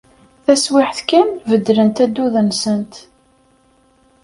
Taswiɛt kan, beddlent addud-nsent.